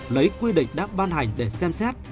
lấy quy định đã ban hành để xem xét